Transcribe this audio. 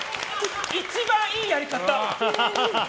一番いいやり方！